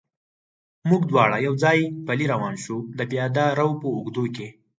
موږ دواړه یو ځای پلی روان شو، د پیاده رو په اوږدو کې.